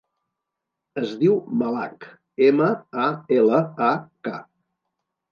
Es diu Malak: ema, a, ela, a, ca.